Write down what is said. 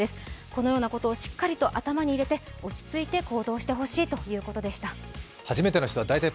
このようなことをしっかりと頭に入れて落ち着いて行動してほしいということでした。